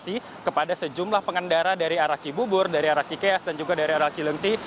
terima kasih kepada sejumlah pengendara dari arah cibubur dari arah cikeas dan juga dari arah cilengsi